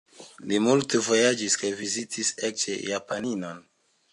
Li multe vojaĝis kaj vizitis eĉ Japanion.